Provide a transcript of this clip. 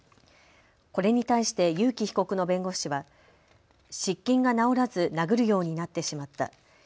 これに対して悠樹被告の弁護士は失禁が治らず殴るようになってしまった。